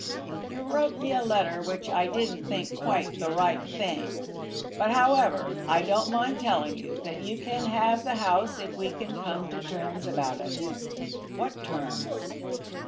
"You wrote me a letter which I didn't think quite the right thing. But, however, I don't mind telling you that you can have the house if we can come to terms about it." "What terms?"